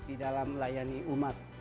di dalam melayani jemaat